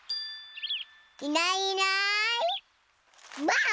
いないいないばあっ！